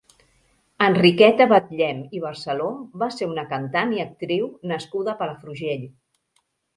Enriqueta Batllem i Barceló va ser una cantant i actriu nascuda a Palafrugell.